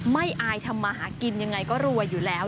อายทำมาหากินยังไงก็รวยอยู่แล้ว